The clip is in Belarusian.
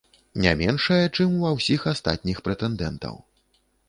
Не меншая, чым ва ўсіх астатніх прэтэндэнтаў.